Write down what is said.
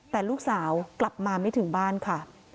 แต่ลูกสาวกลับมาไม่ถึงบ้านค่ะ